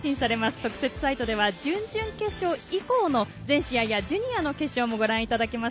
特設サイトでは準々決勝以降の全試合やジュニアの決勝もご覧いただけます。